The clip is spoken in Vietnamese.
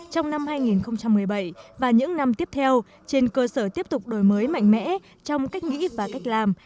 trong năm hai nghìn một mươi bảy và những năm tiếp theo trên cơ sở tiếp tục đổi mới mạnh mẽ trong cách nghĩ và cách làm